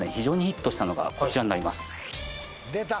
こちらになります。